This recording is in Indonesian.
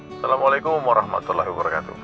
assalamualaikum wr wb